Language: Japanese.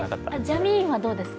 ジャミーンはどうですか？